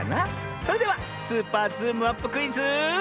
それでは「スーパーズームアップクイズ」。